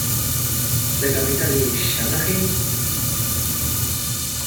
Sa capitale est Chamakhi.